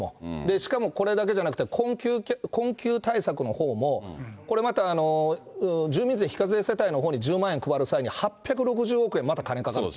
しかもこれだけじゃなくて、困窮対策のほうも、これまた住民税非課税世帯のほうに１０万円配る際に８６０億円、また金かかって。